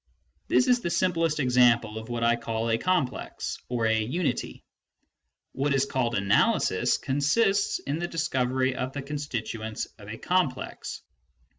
This is the simplest example of what I call a "complex" or a "unity ". What is called analysis consists in the discovery of the constituents of a complex.